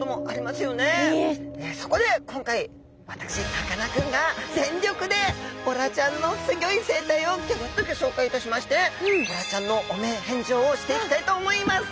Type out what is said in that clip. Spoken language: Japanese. そこで今回私さかなクンが全力でボラちゃんのすギョい生態をギョギョッとギョしょうかいいたしましてボラちゃんの汚名返上をしていきたいと思います。